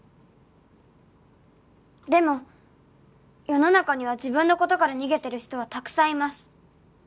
「でも世の中には自分の事から逃げてる人はたくさんいます」